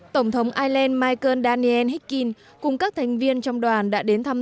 tổng thống ireland michael daniel hikin cùng các thành viên trong đoàn đã đến thăm